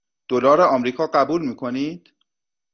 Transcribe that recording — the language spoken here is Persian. دلار آمریکا قبول می کنید؟